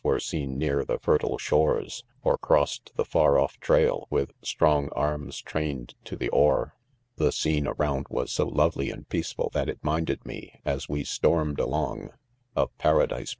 were seen near the 'fertile shores, or crossed the' far off 'trail with strong a* ms trained ' to the : oar. .The . scene around was so lovely and' "peaceful that it minded rae, as we §#8li|t^ alongj, of para ? clise